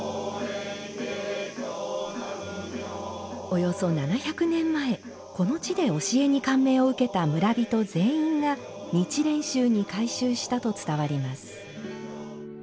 およそ７００年前、この地で教えに感銘を受けた村人全員が日蓮宗に改宗したと伝わります。